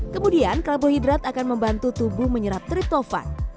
kemudian karbohidrat akan membantu tubuh menyerap triptofan